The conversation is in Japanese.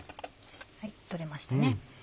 取れましたね。